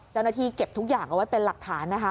เจ้าหน้าที่เก็บทุกอย่างเอาไว้เป็นหลักฐานนะคะ